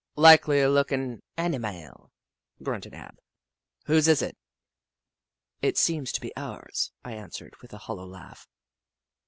" Likely lookin' animile," grunted Ab. " Whose is it ?"" It seems to be ours," I answered, with a hollow laugh.